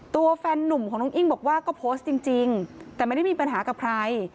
แฟนนุ่มของน้องอิ้งบอกว่าก็โพสต์จริงแต่ไม่ได้มีปัญหากับใคร